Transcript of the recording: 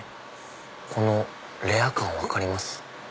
このレア感分かります？